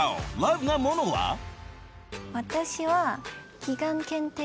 私は。